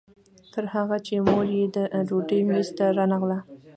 تر هغې چې مور یې د ډوډۍ میز ته رانغله.